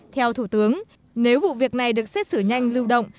theo thủ tướng nếu vụ việc này được xét xử nhanh lưu động